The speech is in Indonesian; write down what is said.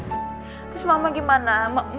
terus mama gimana